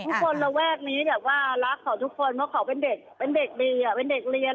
ทุกคนระแวกนี้อยากว่ารักของทุกคนเพราะเขาเป็นเด็กดีเป็นเด็กเรียน